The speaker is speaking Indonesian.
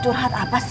curhat apa sih